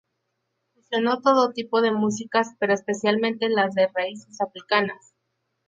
Fusionó todo tipo de músicas, pero especialmente las de raíces africanas.